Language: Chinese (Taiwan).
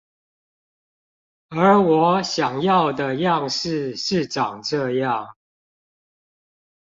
而我想要的樣式是長這樣